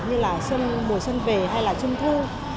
trong các dịp như là mùa xuân về hay là trung thu